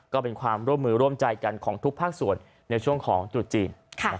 ก็เป็นความร่วมมือร่วมใจกันของทุกภาคส่วนในช่วงของตรุษจีน